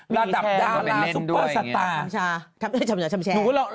ระดับดาราซุปเปอร์สตาร์ใช่ทำให้ชำแชร์ชำแชร์